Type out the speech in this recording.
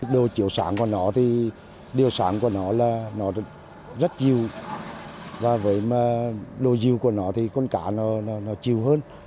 đồ chiều sản của nó thì điều sản của nó là nó rất dịu và với mà đồ dịu của nó thì con cá nó dịu hơn